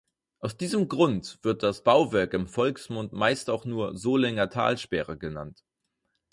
Aus diesem Grund wird das Bauwerk im Volksmund meist auch nur „Solinger Talsperre“ genannt.